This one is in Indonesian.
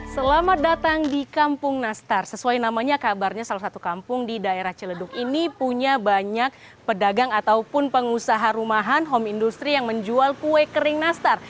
selamat datang di kampung nastar sesuai namanya kabarnya salah satu kampung di daerah ciledug ini punya banyak pedagang ataupun pengusaha rumahan home industry yang menjual kue kering nastar